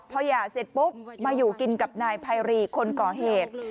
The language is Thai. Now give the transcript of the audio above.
พอหย่าเสร็จปุ๊บมาอยู่กินกับนายไพรีคนก่อเหตุ